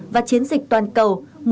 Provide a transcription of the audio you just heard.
và chiến dịch toàn cầu